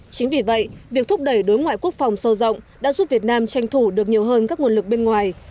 chính vì vậy việc thúc đẩy đối ngoại quốc phòng sâu rộng đã giúp việt nam tranh thủ được nhiều hơn các nguồn lực bên ngoài